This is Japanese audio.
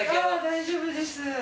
大丈夫です。